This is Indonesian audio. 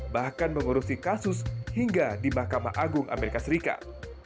bahkan mengurusi kasus hingga di mahkamah agung amerika serikat